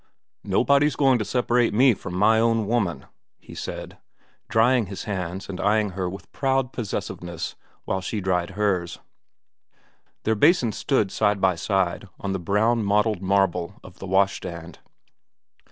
' Nobody's going to separate me from my own woman,' he said, drying his hands and eyeing her with proud possess iveness while she dried hers ; their basins stood side by side on the brown mottled marble of the washstand.